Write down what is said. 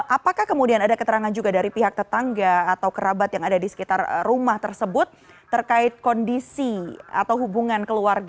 apakah kemudian ada keterangan juga dari pihak tetangga atau kerabat yang ada di sekitar rumah tersebut terkait kondisi atau hubungan keluarga